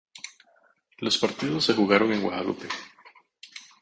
Los partidos se jugaron en Guadalupe.